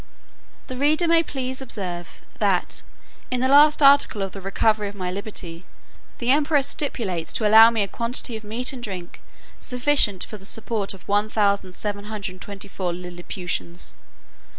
The reader may please to observe, that, in the last article of the recovery of my liberty, the emperor stipulates to allow me a quantity of meat and drink sufficient for the support of 1724 Lilliputians.